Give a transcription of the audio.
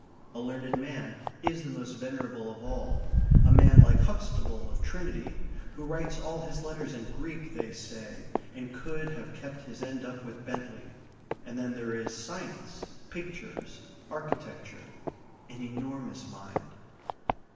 A learned man is the most venerable of all a man like Huxtable of Trinity, who writes all his letters in Greek, they say, and could have kept his end up with Bentley. And then there is science, pictures, architecture, an enormous mind.